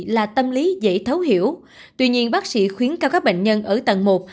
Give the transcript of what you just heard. là tâm lý dễ thấu hiểu tuy nhiên bác sĩ khuyến cáo các bệnh nhân ở tầng một